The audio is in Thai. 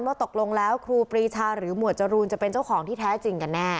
ว่าตกลงแล้วครูปรีชาหรือหมวดจรูนจะเป็นเจ้าของที่แท้จริงกันแน่